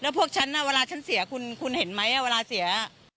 พวกฉันเวลาฉันเสียคุณเห็นไหมเวลาเสีย